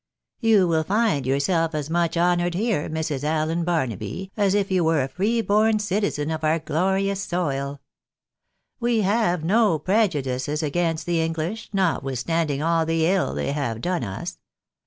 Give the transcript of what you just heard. " You will find yourself as much honoured here, Mrs. AUen 102 THE BARNABYS IN AMERICA. Barnaby, as if you were a free born citizen of our glorious soil. We have no prejudices against the English, notwithstanding all the iU they have done us.